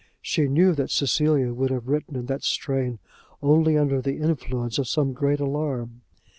She knew that Cecilia would have written in that strain only under the influence of some great alarm.